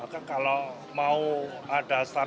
pak cloth ternyata didadana oleh dpr